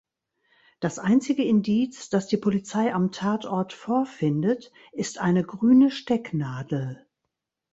Das einzige Indiz, das die Polizei am Tatort vorfindet, ist eine grüne Stecknadel.